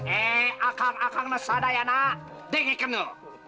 eh akan akan nesadar ya nak deng ikan itu